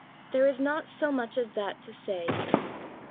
There is not so much as that to say.